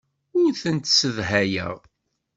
Ur tent-ssedhayeɣ.